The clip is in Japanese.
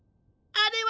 あれは！？